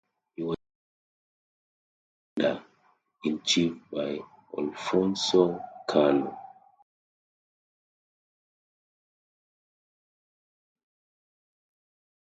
He was replaced as commander-in-chief by Alfonso Cano.